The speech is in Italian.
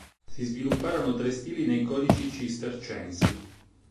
Si svilupparono tre stili nei codici cistercensi.